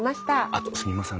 あとすみません。